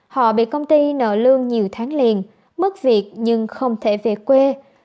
họ bị công ty nợ lương nhiều tháng liền mất việc nhưng không thể về quê